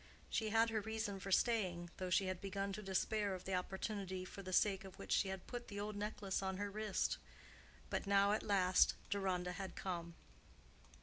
She had her reason for staying, though she had begun to despair of the opportunity for the sake of which she had put the old necklace on her wrist. But now at last Deronda had come.